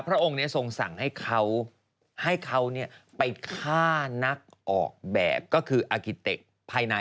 องค์นี้ทรงสั่งให้เขาให้เขาไปฆ่านักออกแบบก็คืออากิเตะภายใน